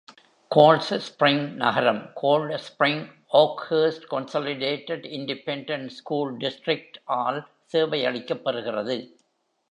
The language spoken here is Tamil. Coldspring நகரம், Coldspring-Oakhurst Consolidated Independent School District-ஆல் சேவையளிக்கப்பெறுகிறது.